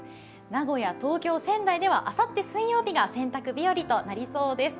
名古屋、東京、仙台ではあさって水曜日が洗濯日和となりそうです。